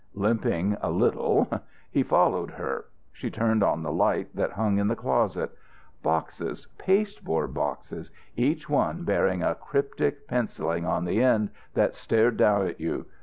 Limping a little he followed her. She turned on the light that hung in the closet. Boxes pasteboard boxes each one bearing a cryptic penciling on the end that stared out at you.